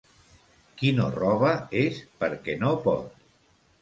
Qui no roba és perquè no pot.